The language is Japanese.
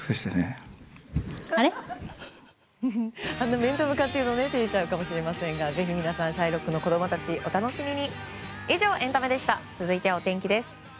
面と向かって言うのは照れちゃうかもしれませんがぜひ皆さん「シャイロックの子供たち」お楽しみに。